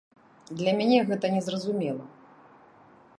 Для мяне гэта незразумела.